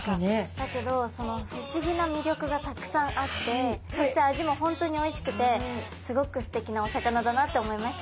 だけどその不思議な魅力がたくさんあってそして味も本当においしくてすごくすてきなお魚だなって思いました。